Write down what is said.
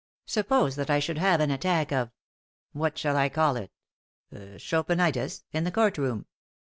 Suppose that I should have an attack of what shall I call it? Chopinitis in the court room?